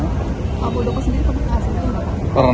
mudokok sendiri kan